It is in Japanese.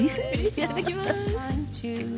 いただきます。